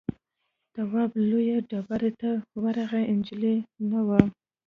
تواب لویو ډبرو ته ورغی نجلۍ نه وه.